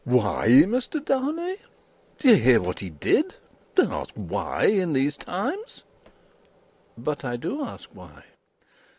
"Why, Mr. Darnay? D'ye hear what he did? Don't ask, why, in these times." "But I do ask why?"